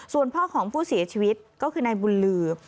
ส่วนพ่อของผู้เสียชีวิตก็คือนายบุญลือ